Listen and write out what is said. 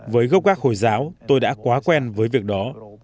với gốc gác hồi giáo tôi đã quá quen với việc đó